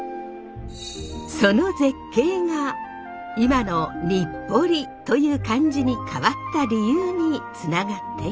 その絶景が今の日暮里という漢字に変わった理由につながっていました。